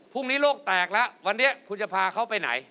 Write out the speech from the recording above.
พรุ่งนี้โลกแตกแล้ววันนี้คุณจะพาเขาไปไหน